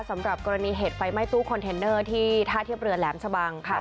สำหรับกรณีเหตุไฟไหม้ตู้คอนเทนเนอร์ที่ท่าเทียบเรือแหลมชะบัง